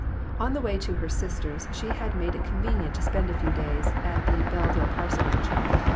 On the way to her sister's she had made it convenient to spend a few days at the Belleville parsonage.